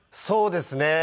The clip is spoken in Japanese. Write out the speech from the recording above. そうですね。